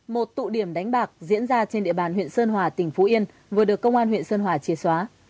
một tụ điểm đánh bạc diễn ra trên địa bàn huyện sơn hòa tỉnh phú yên vừa được công an huyện sơn hòa chia xóa